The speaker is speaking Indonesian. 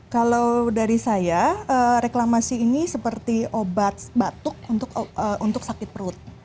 kalau dari saya reklamasi ini seperti obat batuk untuk sakit perut